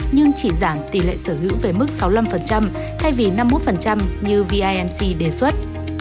nhưng chỉ giảm tỷ lệ sở hữu về mức sáu mươi năm thay vì năm mươi một như vimc đề xuất